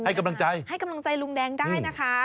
กำลังใจให้กำลังใจลุงแดงได้นะคะ